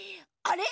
あれ？